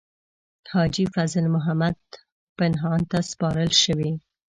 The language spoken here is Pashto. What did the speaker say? حاجي فضل محمد پنهان ته سپارل شوې.